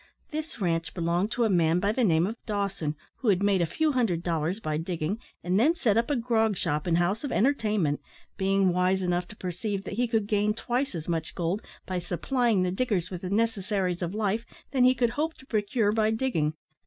This ranche belonged to a man of the name of Dawson, who had made a few hundred dollars by digging, and then set up a grog shop and house of entertainment, being wise enough to perceive that he could gain twice as much gold by supplying the diggers with the necessaries of life than he could hope to procure by digging.